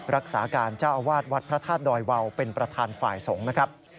รักษาการเจ้าอาวาสวัดพระธาตุดอยวาวเป็นประธานฝ่ายสงฆ์นะครับ